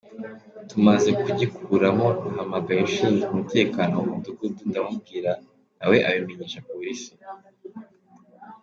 Tumaze kugikuramo nahamagaye ushinzwe umutekano mu mudugudu ndabimubwira, na we abimenyesha polisi”.